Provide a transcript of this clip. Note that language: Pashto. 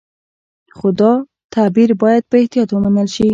خو دا تعبیر باید په احتیاط ومنل شي.